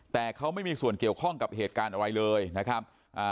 แต่เขาไม่มีส่วนเกี่ยวข้องกับเหตุการณ์อะไรเลยนะครับ